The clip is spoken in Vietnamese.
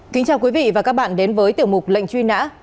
kính chào quý vị và các bạn đến với tiểu mục lệnh truy nã